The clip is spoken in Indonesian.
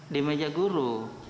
di meja guru